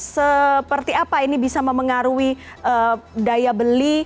seperti apa ini bisa memengaruhi daya beli